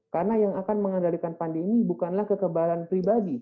karena yang akan mengandalkan pandemi bukanlah kekebalan pribadi